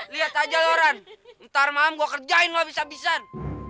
lihat aja loh ran ntar malam gue kerjain lo abis abisan